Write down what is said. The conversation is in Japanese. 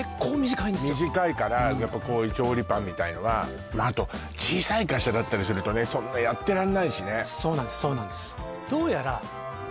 短いからやっぱこういう調理パンみたいのはあと小さい会社だったりするとねそんなやってらんないしねそうなんですそうなんです